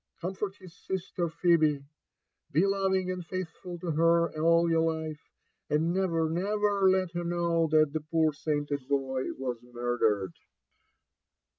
Comfort his sister, Phebe ;— be loving and faithful to her all your life, and never, never let her know that the poor sainted boy was murdered."